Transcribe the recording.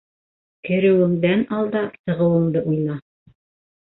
Кереүендән алда сығыуыңды уйла.